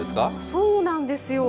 そうなんですよ。